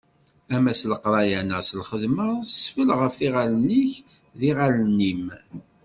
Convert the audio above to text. Ama s leqraya, neɣ d lxedma, sfell ɣef yiɣallen-ik, d yiɣallen-im.